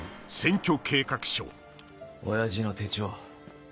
親父の手帳